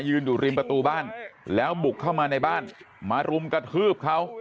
อยู่ริมประตูบ้านแล้วบุกเข้ามาในบ้านมารุมกระทืบเขา